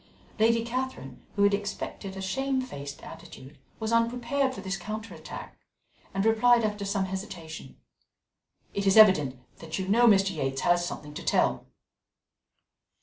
Lady Catherine, who had expected a shamefaced attitude, was unprepared for this counter attack, and replied after some hesitation: "It is evident that you know Mr. Yates has something to tell."